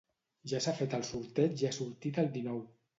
Ja s'ha fet el sorteig i ha sortit el dinou.